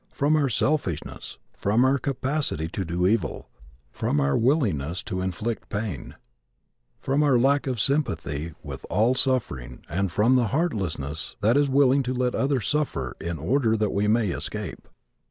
From our selfishness, from our capacity to do evil, from our willingness to inflict pain, from our lack of sympathy with all suffering and from the heartlessness that is willing to let others suffer in order that we may escape.